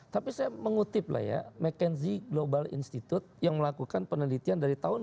tapi saya mengutip lah ya mckenzie global institute yang melakukan penelitian dari tahun dua ribu